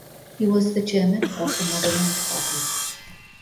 He was the Chairman of the Motherland Party.